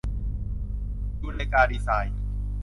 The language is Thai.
ยูเรกา ดีไซน์